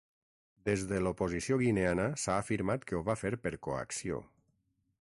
Des de l'oposició guineana s'ha afirmat que ho va fer per coacció.